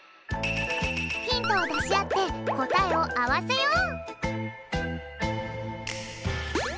ヒントをだしあってこたえをあわせよう！